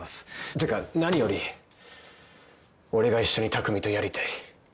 というか何より俺が一緒に匠とやりたい。